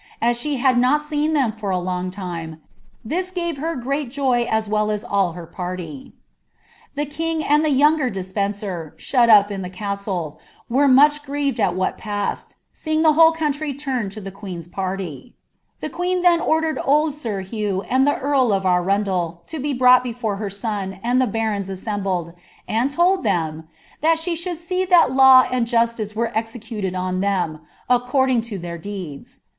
As she had not seen them for a long tiine, i» gave her great joy as well as nil her parly." " The king, and the younger Despencer, shut up in the CMtle, M» ISABELLA OF FRANCS. 155 jonch grieved at what paised, seeing the whole country turned to the queen^s party. ^The queen then ordered old Sir Hugh and the earl of Arundel to be brought before her son and the barons assembled, and told them ^ that she should see that law and justice were executed on them, acc(»rding to their deeds.'